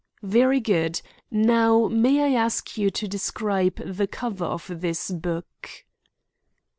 "Very good. Now may I ask you to describe the cover of this book?"